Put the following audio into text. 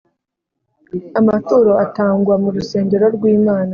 Amaturo atangwa mu rusengero rw’Imana